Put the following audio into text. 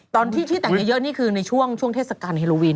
ตอนที่ที่แต่งเยอะนี่คือในช่วงเทศกาลเฮโลวิน